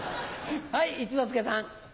はい一之輔さん。